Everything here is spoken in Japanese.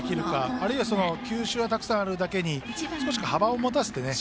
あるいは球種はたくさんあるだけに少し幅を持たせて。